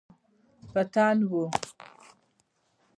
په تن وی